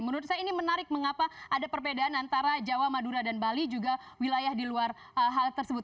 menurut saya ini menarik mengapa ada perbedaan antara jawa madura dan bali juga wilayah di luar hal tersebut